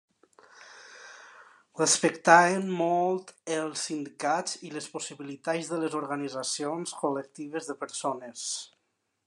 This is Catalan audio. Respectaven molt els sindicats i les possibilitats de les organitzacions col·lectives de persones.